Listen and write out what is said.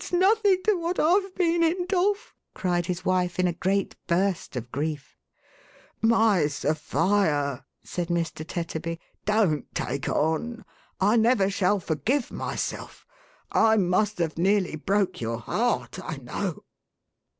It's nothing to what I've been in, Dolf," cried his wife in a great burst of grief. " My Sophia," said Mr. Tetterby, " don't take on. I never shall forgive myself. I must have nearly broke your heart, I know.